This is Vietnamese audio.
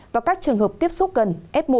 và các trường hợp tiếp xúc gần f một